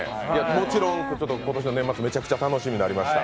もちろん、今年の年末すごく楽しみになりました。